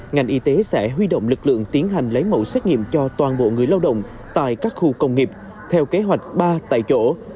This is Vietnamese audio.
ngành y tế sẽ huy động lực lượng tiến hành lấy mẫu xét nghiệm cho toàn bộ người lao động tại các khu công nghiệp theo kế hoạch ba tại chỗ